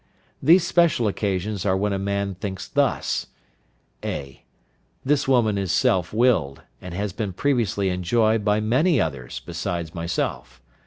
These special occasions are when a man thinks thus: (a). This woman is self willed, and has been previously enjoyed by many others besides myself.